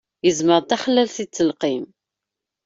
Gezmeɣ-d taxellalt i ttelqim.